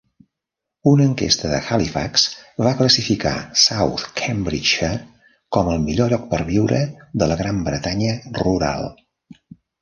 Una enquesta de Halifax va classificar South Cambridgeshire com el millor lloc per viure de la Gran Bretanya rural.